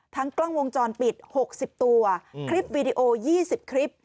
กล้องวงจรปิด๖๐ตัวคลิปวีดีโอ๒๐คลิป